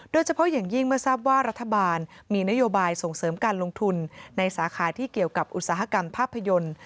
โดยเฉพาะอย่างยิ่งเมื่อทราบว่ารัฐบาลมีนโยบายส่งเสริมการลงทุนในสาขาที่เกี่ยวกับอุตสาหกรรมภาพยนตร์